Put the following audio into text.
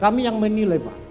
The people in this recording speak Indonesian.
kami yang menilai pak